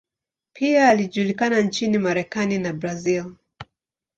Pia alijulikana nchini Marekani na Brazil.